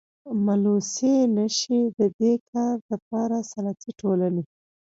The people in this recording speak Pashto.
ملوثي نشي ددي کار دپاره صنعتي ټولني.